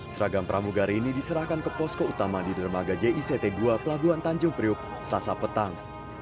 seragam pramugari ini diserahkan ke posko utama di dermaga jict dua pelabuhan tanjung priuk sasa petang